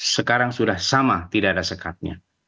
sekarang sudah sama tidak ada sekatnya